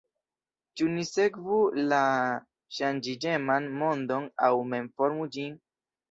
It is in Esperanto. Ĉu ni sekvu la ŝanĝiĝeman mondon aŭ mem formu ĝin?